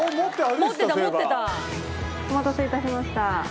お待たせいたしました。